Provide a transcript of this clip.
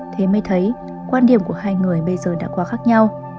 thế mới thấy quan điểm của hai người bây giờ đã quá khác nhau